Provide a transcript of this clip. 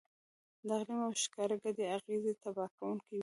د اقلیم او ښکار ګډې اغېزې تباه کوونکې وې.